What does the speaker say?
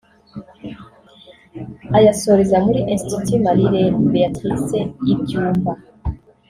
ayasoreza muri Institut Marie Beatrice i Byumba